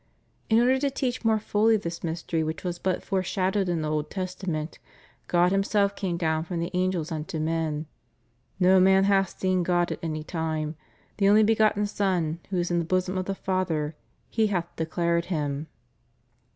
In order to teach more fully this mystery, which was but foreshadowed in the Old Testament, God Himself came down from the angels unto men: No man hath seen God at any time; the only begotten Son, who is in the bosom of the Father, He hath declared Him?